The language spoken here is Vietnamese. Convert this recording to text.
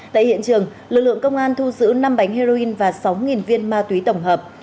tại hiện trường lực lượng công an thu giữ năm bánh heroin và sáu viên ma túy tổng hợp